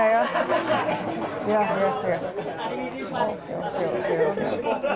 oh kayak gini cara tidurnya ya